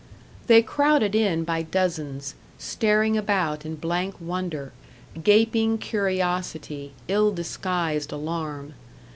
They crowded in by dozens, staring about in blank wonder, gaping curiosity, ill disguised alarm.